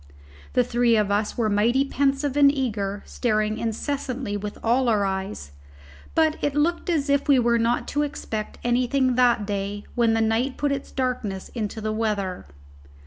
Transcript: The three of us were mighty pensive and eager, staring incessantly with all our eyes; but it looked as if we were not to expect anything that day when the night put its darkness into the weather.